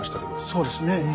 そうですね。